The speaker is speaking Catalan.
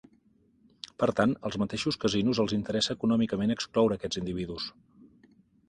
Per tant, als mateixos casinos els interessa econòmicament excloure aquests individus.